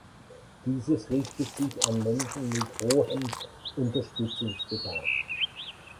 Dieses richtet sich an Menschen mit hohem Unterstützungsbedarf.